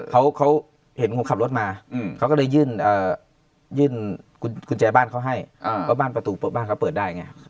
เขาเห็นคนขับรถมาเขาก็เลยยื่นกุญแจบ้านเขาให้เพราะบ้านประตูเปิดบ้านเขาเปิดได้ไง